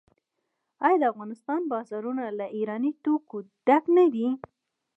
آیا د افغانستان بازارونه له ایراني توکو ډک نه دي؟